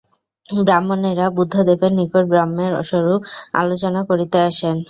ব্রাহ্মণেরা বুদ্ধদেবের নিকট ব্রহ্মের স্বরূপ আলোচনা করিতে আসেন।